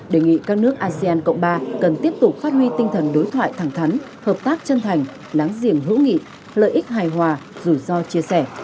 đề nghị các nước asean cộng ba cần tiếp tục phát huy tinh thần đối thoại thẳng thắn hợp tác chân thành láng giềng hữu nghị lợi ích hài hòa rủi ro chia sẻ